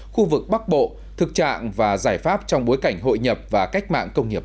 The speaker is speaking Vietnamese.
khu vực bắc bộ thực trạng và giải pháp trong bối cảnh hội nhập và cách mạng công nghiệp bốn